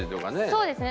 そうですね。